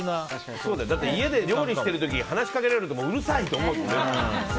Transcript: だって家で料理してる時に話しかけられるとうるさい！って思うもんね。